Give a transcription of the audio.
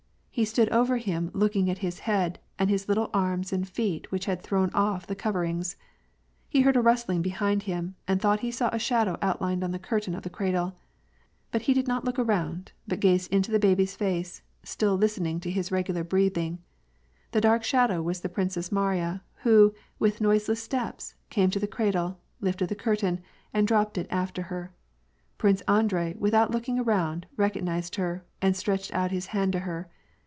He stood over him, looking at his head, and at his little arms and feet which had thrown off the coverings. He heard a rustling behind him, and thought he saw a shadow outlined on the curtain of tiie cradle. But he did not look around, but gazed into the baby's face, still listening to his regular breathing. The dark shadow w^as the Princess Mariya, who, with noiseless steps, came to the cradle, lifted the curtain, and dropped it after her. Prince Andrei, without looking around, recognized her, and stretched out his hand to her.